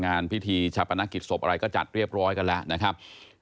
งานพิธีชาปนกิจศพอะไรก็จัดเรียบร้อยกันแล้วนะครับ